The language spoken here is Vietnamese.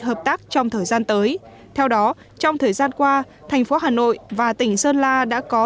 hợp tác trong thời gian tới theo đó trong thời gian qua thành phố hà nội và tỉnh sơn la đã có